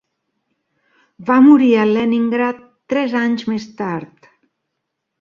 Va morir a Leningrad tres anys més tard.